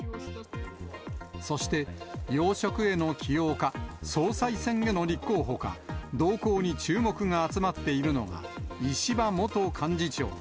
そして、要職への起用か、総裁選への立候補か、動向に注目が集まっているのが、石破元幹事長。